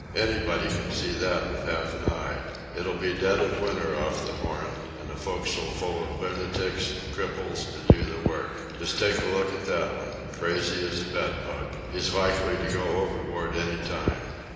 Anybody can see that with half an eye. It'll be dead of winter off the Horn, and a fo'c's'le full of lunatics and cripples to do the work.—Just take a look at that one. Crazy as a bedbug. He's likely to go overboard any time."